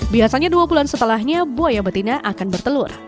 biasanya dua bulan setelahnya buaya betina akan bertelur